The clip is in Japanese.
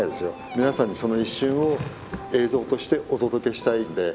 皆さんにその一瞬を映像としてお届けしたいんで。